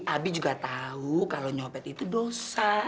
abi juga tau kalau nyopet itu dosa